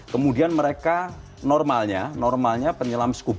kemudian mereka normalnya normalnya penyelam skubu